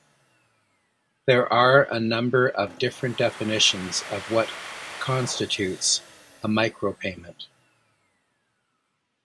There are a number of different definitions of what constitutes a micropayment.